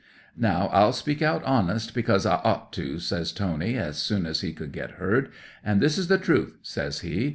'"Now I'll speak out honest, because I ought to," says Tony, as soon as he could get heard. "And this is the truth," says he.